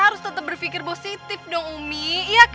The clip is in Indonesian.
karena udah nipah kita semua ya gak